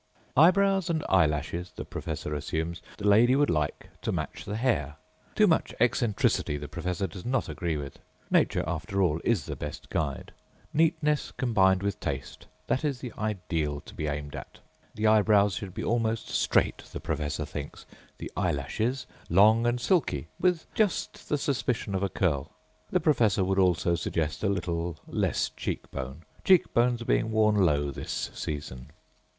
Eyebrows and eyelashes, the professor assumes, the lady would like to match the hair. Too much eccentricity the professor does not agree with. Nature, after all, is the best guide; neatness combined with taste, that is the ideal to be aimed at. The eyebrows should be almost straight, the professor thinks; the eyelashes long and silky, with just the suspicion of a curl. The professor would also suggest a little less cheekbone. Cheekbones are being worn low this season.